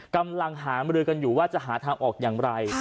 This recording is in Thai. กำลังหามรือกันอยู่ว่าจะหาทางออกอย่างไร